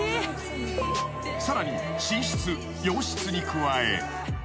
［さらに寝室洋室に加え］